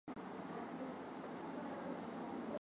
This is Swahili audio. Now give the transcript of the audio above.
yeye ni shabiki wa arsenali.